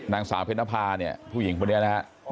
นางสาวเพชรพาเนี่ยผู้หญิงพวกนี้นะครับ